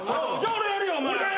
俺がやるよ。